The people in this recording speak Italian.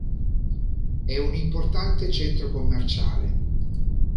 È un importante centro commerciale.